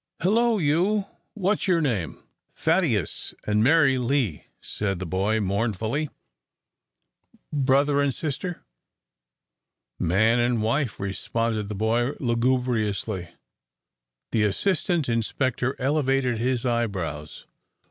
"Hello, you! what's your name?" "Thaddeus and Mary Lee," said the boy, mournfully. "Brother and sister?" "Man and wife," responded the boy, lugubriously. The assistant inspector elevated his eyebrows.